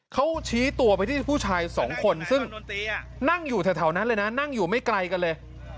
เขาชี้ตัวไปที่ผู้ชายสองคนซึ่งนั่งอยู่แถวนั้นเลยนะนั่งอยู่ไม่ไกลกันเลย